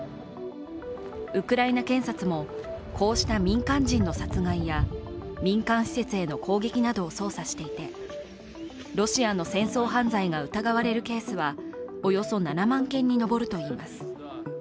ウクライナ検察も、こうした民間人の殺害や民間施設への攻撃などを捜査していて、ロシアの戦争犯罪が疑われるケースはおよそ７万件に上るといいます。